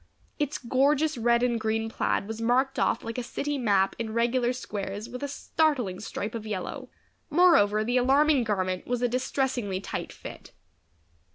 Its gorgeous red and green plaid was marked off like a city map in regular squares with a startling stripe of yellow. Moreover, the alarming garment was a distressingly tight fit.